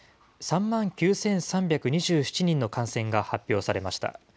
３万９３２７人の感染が発表されました。